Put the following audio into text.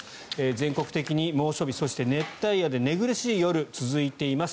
全国的に猛暑日、そして熱帯夜で寝苦しい夜が続いています。